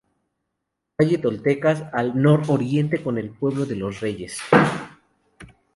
Calle Toltecas, al nor-oriente con el Pueblo de los Reyes.